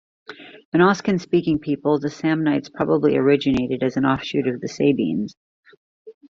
An Oscan-speaking people, the Samnites probably originated as an offshoot of the Sabines.